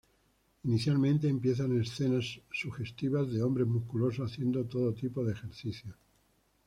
Inicialmente empiezan escenas sugestivas de hombres musculosos haciendo todo tipo de ejercicios.